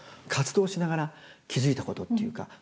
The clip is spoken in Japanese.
活動しながら気付いたことっていうか